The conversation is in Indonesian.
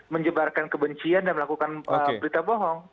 menyebarkan kebencian dan melakukan berita bohong